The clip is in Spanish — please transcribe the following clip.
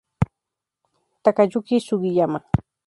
Takayuki Sugiyama